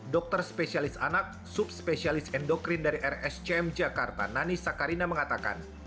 dokter spesialis anak subspesialis endokrin dari rscm jakarta nani sakarina mengatakan